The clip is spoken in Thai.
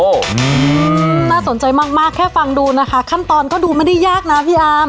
อืมน่าสนใจมากมากแค่ฟังดูนะคะขั้นตอนก็ดูไม่ได้ยากนะพี่อาร์ม